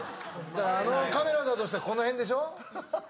だからあのカメラだとしてこの辺でしょ？